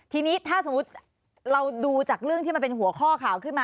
ทีนี้ถ้าสมมุติเราดูจากเรื่องที่มันเป็นหัวข้อข่าวขึ้นมา